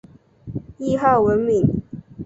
谥号文敏。